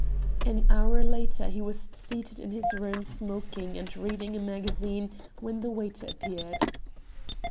An hour later he was seated in his room smoking and reading a magazine when the waiter appeared.